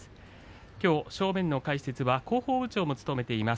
きょう正面の解説は広報部長も務めています